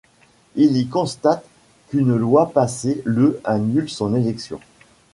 Il y constate qu'une loi passée le annule son élection.